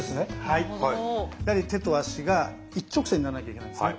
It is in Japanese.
やはり手と足が一直線にならなきゃいけないんですね。